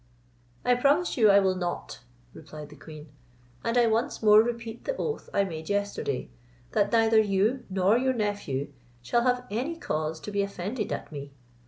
"I promise you I will not," replied the queen; "and I once more repeat the oath I made yesterday, that neither you nor your nephew shall have any cause to be offended at me.